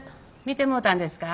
診てもろたんですか？